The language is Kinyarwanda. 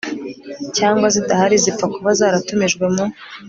cyangwa zidahari zipfa kuba zaratumijwe mu